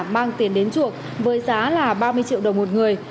mang tiền đến chuộc với giá là ba mươi triệu đồng một người